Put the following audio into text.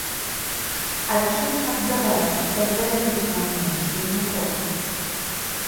А чым аддаваць, калі зарабіць не ўмеем, дый не хочам?